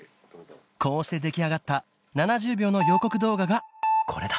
こうして出来上がった７０秒の予告動画がこれだ